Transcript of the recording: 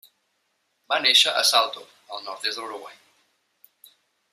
Va néixer a Salto, al nord-oest de l'Uruguai.